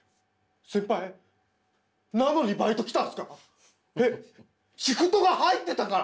先輩なのにバイト来たんすか？